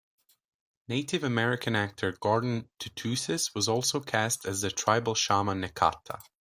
Native American actor Gordon Tootoosis was also cast as the tribal shaman Nekata.